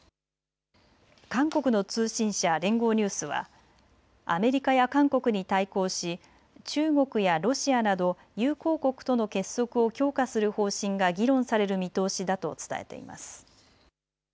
韓国の通信社、連合ニュースはアメリカや韓国に対抗し中国やロシアなど友好国との結束を強化する方針が議論される見通しだと伝えています。